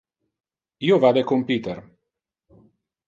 Io vade con Peter.